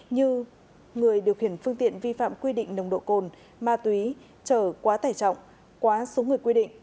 như người điều khiển phương tiện vi phạm quy định nồng độ cồn ma túy trở quá tải trọng quá số người quy định